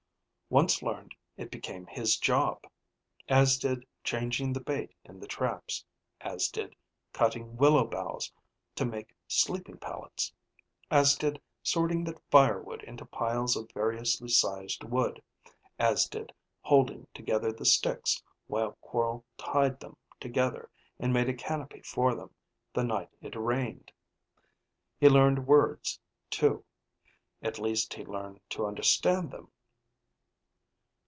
Once learned it became his job; as did changing the bait in the traps; as did cutting willow boughs to make sleeping pallets; as did sorting the firewood into piles of variously sized wood; as did holding together the sticks while Quorl tied them together and made a canopy for them, the night it rained. He learned words, too. At least he learned to understand them.